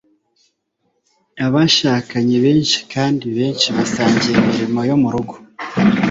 Abashakanye benshi kandi benshi basangiye imirimo yo murugo.